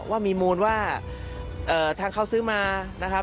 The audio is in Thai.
ว่ามีมูลว่าทางเขาซื้อมานะครับ